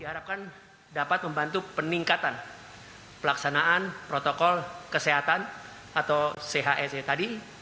diharapkan dapat membantu peningkatan pelaksanaan protokol kesehatan atau chse tadi